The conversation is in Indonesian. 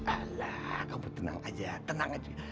alah kamu tenang aja